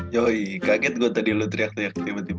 yoi kaget gue tadi lo teriak teriak tiba tiba